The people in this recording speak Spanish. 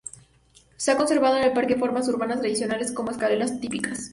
Se ha conservado en el parque formas urbanas tradicionales, como escaleras típicas.